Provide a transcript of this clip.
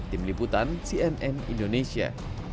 tim liputan cnn indonesia